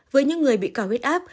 với những người bị cao huyết áp